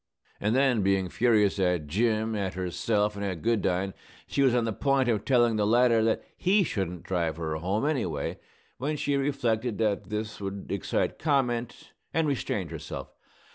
And then, being furious at Jim, at herself, and at Goodine, she was on the point of telling the latter that he shouldn't drive her home, anyway, when she reflected that this would excite comment, and restrained herself.